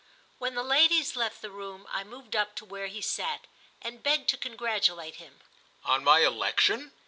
When the ladies left the room I moved up to where he sat and begged to congratulate him. "On my election?"